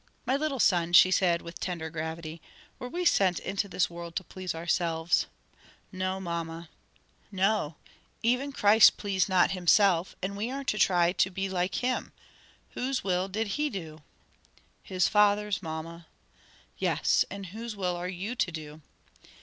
"My little son," she said, with tender gravity, "were we sent into this world to please ourselves?" "No, mamma." "No; 'even Christ pleased not himself,' and we are to try to be like him. Whose will did he do?" "His Father's, mamma." "Yes, and whose will are you to do?"